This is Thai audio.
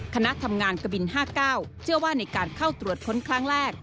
คณะทำงานกะบิน๕๙เชื่อว่าในการเข้าตรวจค้นครั้งแรก